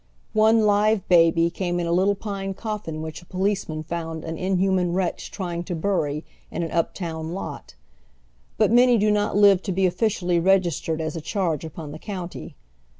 One live baby came in a little pine cofEn which a polieenian found an inhuman wretch trying to bury in an up town lot. But many do not live to be officially registered as a charge upon the county.